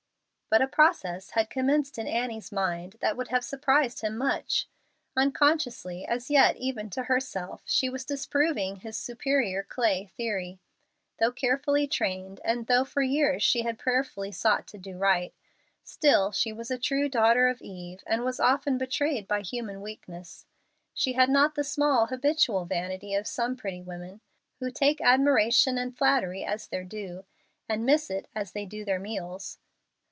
But a process had commenced in Annie's mind that would have surprised him much. Unconsciously as yet even to herself, she was disproving his "superior clay" theory. Though carefully trained, and though for years she had prayerfully sought to do right, still she was a true daughter of Eve, and was often betrayed by human weakness. She had not the small, habitual vanity of some pretty women, who take admiration and flattery as their due, and miss it as they do their meals.